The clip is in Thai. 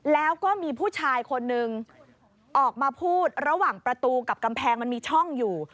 แล้วก็มีผู้ชายคนนึงออกมาพูดระหว่างประตูกับกำแพงมันมีช่องอยู่